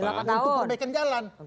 untuk perbaikan jalan